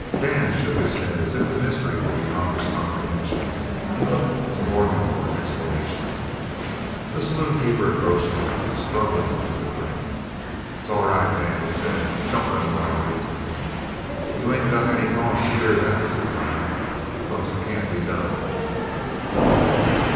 Dan shook his head as if the mystery were beyond his comprehension, and looked to Morgan for an explanation. The saloon keeper approached him, struggling with a grin. "It's all right, Dan," he said. "Don't let 'em rile you." "You ain't got any cause to fear that," said Silent, "because it can't be done."